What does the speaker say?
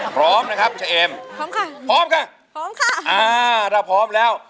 พร้อมนะครับเชมพร้อมค่ะพร้อมค่ะพร้อมค่ะอ่าถ้าพร้อมแล้ว